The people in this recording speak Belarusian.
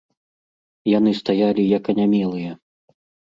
Яны стаялі як анямелыя.